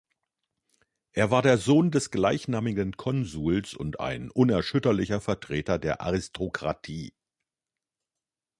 Er war der Sohn des gleichnamigen Konsuls und ein unerschütterlicher Vertreter der Aristokratie.